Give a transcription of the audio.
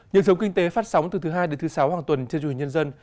nhân sống kinh tế phát sóng từ thứ hai đến thứ sáu hàng tuần trên chương trình nhân dân